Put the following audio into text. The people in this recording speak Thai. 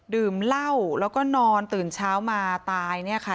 ดื่มเหล้าแล้วก็นอนตื่นเช้ามาตายเนี่ยค่ะ